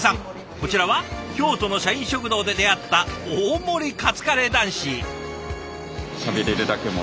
こちらは京都の社員食堂で出会った大盛りカツカレー男子。